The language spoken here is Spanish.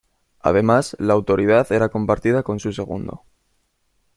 Además la autoridad era compartida con su segundo.